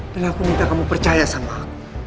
dan aku minta kamu percaya sama aku